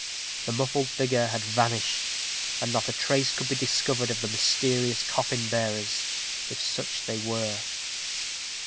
The muffled figure had vanished, and not a trace could be discovered of the mysterious coffin bearers, if such they were.